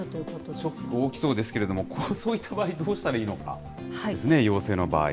ショック、大きそうですけれども、そういった場合、どうしたそうですね。